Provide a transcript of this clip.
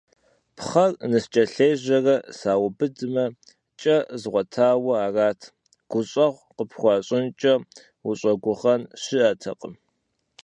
Пхъэр ныскӀэлъежьэрэ саубыдмэ, кӀэ згъуэтауэ арат, гущӀэгъу къыпхуащӀынкӀэ ущӀэгугъэн щыӀэтэкъым.